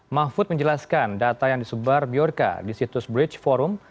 mahfud menjelaskan data yang disebar biorca di situs bridge forum